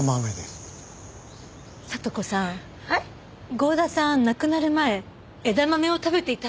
郷田さん亡くなる前枝豆を食べていたんです。